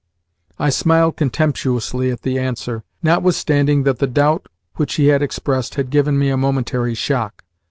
I smiled contemptuously at the answer, notwithstanding that the doubt which he had expressed had given me a momentary shock.